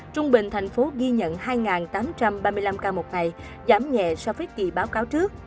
trung bình thành phố ghi nhận hai tám trăm ba mươi năm ca một ngày giảm nhẹ so với kỳ báo cáo trước